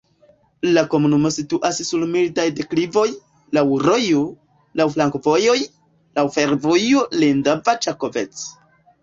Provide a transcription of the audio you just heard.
La komunumo situas sur mildaj deklivoj, laŭ rojo, laŭ flankovojoj, laŭ fervojo Lendava-Ĉakovec.